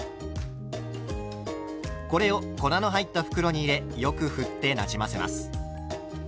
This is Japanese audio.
これを粉の入った袋に入れよくふってなじませます。